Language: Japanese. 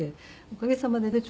おかげさまでね